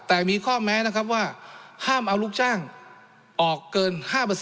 แต่มีข้อแม้นะครับว่าห้ามเอาลูกจ้างออกเกิน๕